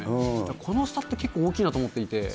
この差って、結構大きいなと思っていて。